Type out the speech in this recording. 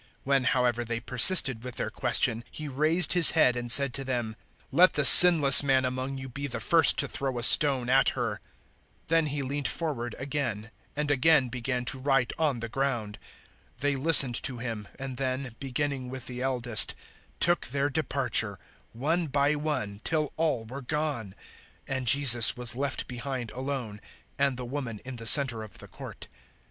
008:007 When however they persisted with their question, He raised His head and said to them, "Let the sinless man among you be the first to throw a stone at her." 008:008 Then He leant forward again, and again began to write on the ground. 008:009 They listened to Him, and then, beginning with the eldest, took their departure, one by one, till all were gone. And Jesus was left behind alone and the woman in the centre of the court.